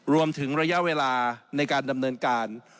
รวมถึงระยะเวลาในการดำเนินการ